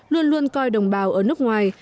luôn luôn coi đồng bào ở nước ngoài